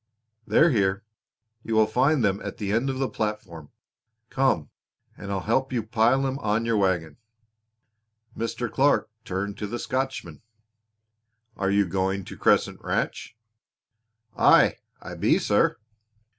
"They're here. You will find them at the end of the platform. Come, and I'll help you pile them on your wagon." Mr. Clark turned to the Scotchman. "Are you going to Crescent Ranch?" "Aye, I be, sir."